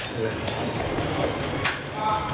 ใช่ไหม